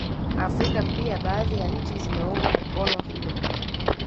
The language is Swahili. Afrika pia baadhi ya nchi zimeunga mkono Hilo